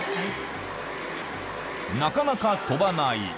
なかなか飛ばない。